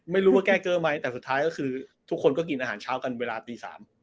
ไม่รู้ว่าแก้เกอร์ไหมแต่สุดท้ายก็คือทุกคนก็กินอาหารเช้ากันเวลาตี๓